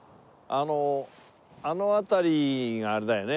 あのあの辺りがあれだよね。